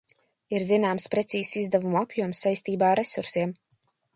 Ir zināms precīzs izdevumu apjoms saistībā ar resursiem.